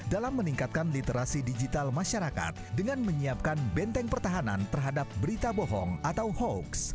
dalam meningkatkan literasi digital masyarakat dengan menyiapkan benteng pertahanan terhadap berita bohong atau hoax